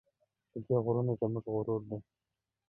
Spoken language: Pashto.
د دې غرونه زموږ غرور دی؟